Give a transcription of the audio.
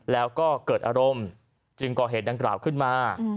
แล้วก็เกิดอารมณ์จึงก่อเหตุดังกล่าวขึ้นมา